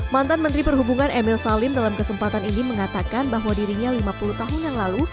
mantan menteri perhubungan emil salim dalam kesempatan ini mengatakan bahwa dirinya lima puluh tahun yang lalu